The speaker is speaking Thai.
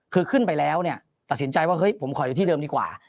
คือขึ้นไปแล้วเนี่ยตัดสินใจว่าเฮ้ยผมขออยู่ที่เดิมดีกว่า